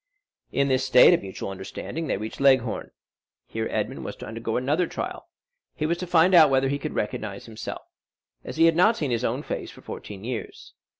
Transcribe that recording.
In this state of mutual understanding, they reached Leghorn. Here Edmond was to undergo another trial; he was to find out whether he could recognize himself, as he had not seen his own face for fourteen years.